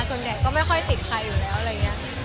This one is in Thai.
ส่วนใหญ่ก็ไม่ค่อยติดใครอยู่แล้วอะไรอย่างนี้